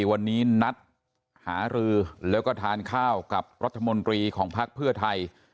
วันนี้นัดหารือแล้วก็ทานข้าวกับรัฐมนตรีของภักดิ์เพื่อไทย